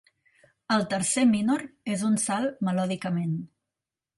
El tercer minor és un salt melòdicament.